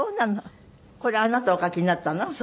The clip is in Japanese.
これあなたお描きになったの？